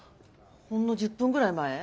ほんの１０分ぐらい前。